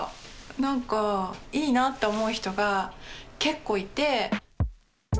なんかいいなって思う人が結構いて。